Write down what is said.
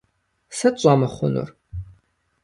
Сыт щӀэмыхъунур?